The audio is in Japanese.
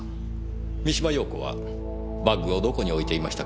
三島陽子はバッグをどこに置いていましたか？